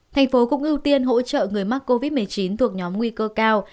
thành phố cũng ưu tiên hỗ trợ người mắc covid một mươi chín thuộc nhóm nguy cơ cao